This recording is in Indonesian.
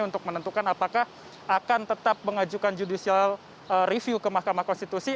untuk menentukan apakah akan tetap mengajukan judicial review ke mahkamah konstitusi